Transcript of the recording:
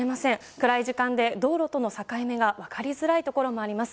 暗い時間帯で道路との境目が分かりづらいところもあります。